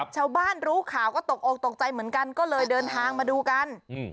ชาวบ้านรู้ข่าวก็ตกออกตกใจเหมือนกันก็เลยเดินทางมาดูกัน